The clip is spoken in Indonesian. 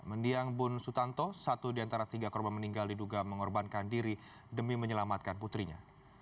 mendiang bun sutanto satu di antara tiga korban meninggal diduga mengorbankan diri demi menyelamatkan putrinya